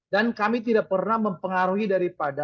dan kami tidak pernah mempengaruhi daripada